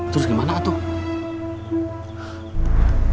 terus gimana atung